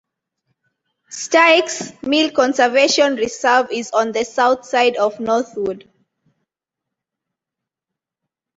Styx Mill Conservation Reserve is on the south side of Northwood.